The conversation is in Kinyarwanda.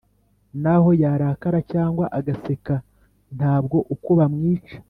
naho yarakara cyangwa agaseka ntabwo uko bamwica